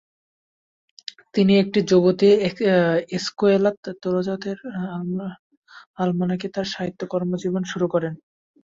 তিনি একটি যুবতী এসকুয়েলা তোরাৎজা-এর আলমানাকে তার সাহিত্য কর্মজীবন শুরু করেন।